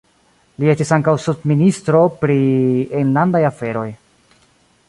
Li estis ankaŭ subministro pri enlandaj aferoj.